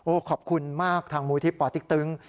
โอ้โฮขอบคุณมากทางมูลวิธีป่าติ๊กตึง